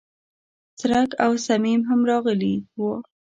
څرک او صمیم هم راغلي و.